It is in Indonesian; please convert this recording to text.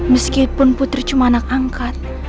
meskipun putri cuma anak angkat